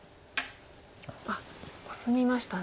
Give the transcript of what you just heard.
あっコスみましたね。